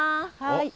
はい。